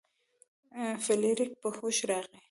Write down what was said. فلیریک په هوښ راغی.